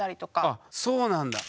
あそうなんだ。